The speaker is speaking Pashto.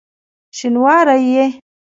شینواری یې؟!